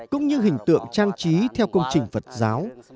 cũng như hình tượng trang trí theo công trình phật giáo